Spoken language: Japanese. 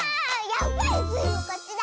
やっぱりスイのかちだ。